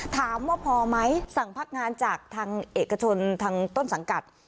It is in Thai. ถามว่าพอไหมสั่งพักงานจากทางเอกชนทางต้นสังกัด